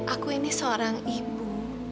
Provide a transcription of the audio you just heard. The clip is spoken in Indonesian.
aku ini seorang ibu